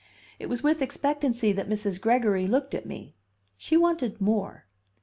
It was with expectancy that Mrs. Gregory looked at me she wanted more.